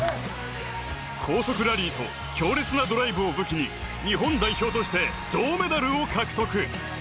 高速ラリーと強烈なドライブを武器に日本代表として銅メダルを獲得。